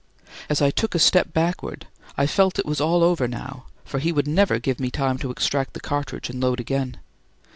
As took a step backwards, I felt it was all over no for he would never give me time to extract the cartridge and load again.